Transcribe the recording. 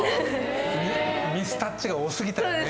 ミスタッチが多過ぎたよね。